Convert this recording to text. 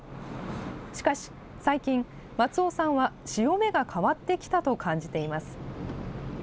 しかし最近、松尾さんは潮目が変わってきたと感じています。